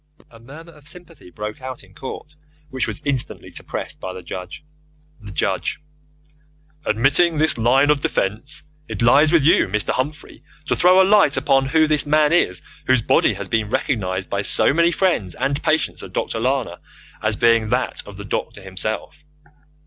A murmur of sympathy broke out in court, which was instantly suppressed by the Judge. The Judge: Admitting this line of defence, it lies with you, Mr. Humphrey, to throw a light upon who this man is whose body has been recognized by so many friends and patients of Dr. Lana as being that of the doctor himself.